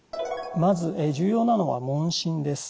まず重要なのは問診です。